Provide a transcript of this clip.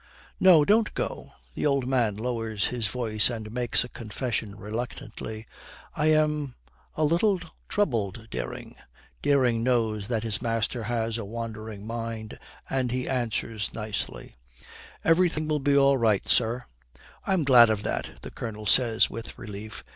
'No, don't go.' The old man lowers his voice and makes a confession reluctantly, 'I am a little troubled, Dering.' Dering knows that his master has a wandering mind, and he answers nicely, 'Everything be all right, sir.' 'I'm glad of that,' the Colonel says with relief.